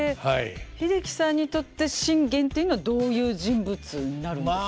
英樹さんにとって信玄っていうのはどういう人物になるんですか。